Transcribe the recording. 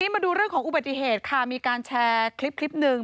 มาดูเรื่องของอุบัติเหตุค่ะมีการแชร์คลิปหนึ่ง